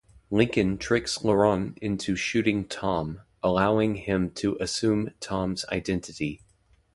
Lincoln tricks Laurent into shooting Tom, allowing him to assume Tom's identity.